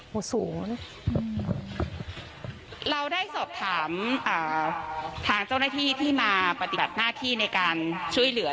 ศูนย์เราได้สอบถามอ่าทางเจ้าหน้าที่ที่มาปฏิบัติหน้าที่ในการช่วยเหลือ